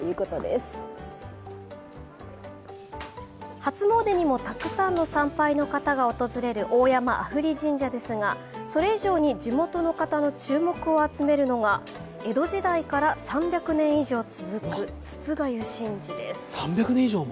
初詣にもたくさんの参拝の方が訪れる大山阿夫利神社ですが、それ以上に地元の方の注目を集めるのが江戸時代から３００年以上続く筒粥神事です。